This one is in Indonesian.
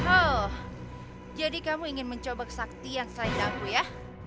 oh jadi kamu ingin mencoba kesaktian selain aku ya